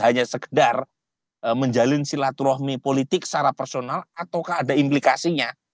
hanya sekedar menjalin silaturahmi politik secara personal atau ada implikasinya